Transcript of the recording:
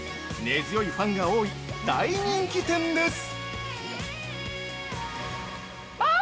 根強いファンが多い大人気店です。